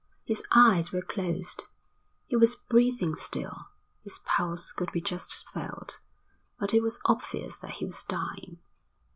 His eyes were closed. He was breathing still, his pulse could be just felt, but it was obvious that he was dying.